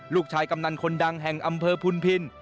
กำนันคนดังแห่งอำเภอพุนพิน